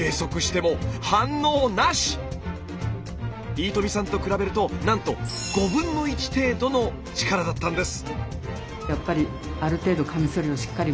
飯富さんと比べるとなんと５分の１程度の力だったんです。